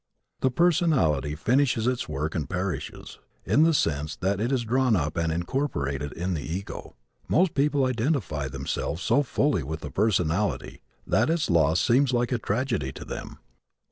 The personality finishes its work and perishes, in the sense that it is drawn up and incorporated in the ego. Most people identify themselves so fully with the personality that its loss seems like a tragedy to them.